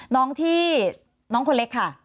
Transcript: น้องที่น้องคนเล็กค่ะ